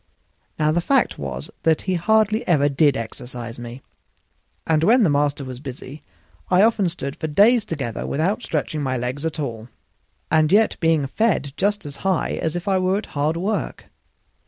Now the fact was that he hardly ever did exercise me, and when the master was busy I often stood for days together without stretching my legs at all, and yet being fed just as high as if I were at hard work.